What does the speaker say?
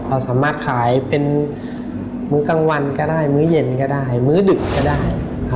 สามารถขายเป็นมื้อกลางวันก็ได้มื้อเย็นก็ได้มื้อดึกก็ได้